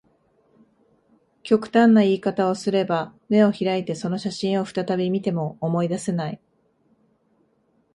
極端な言い方をすれば、眼を開いてその写真を再び見ても、思い出せない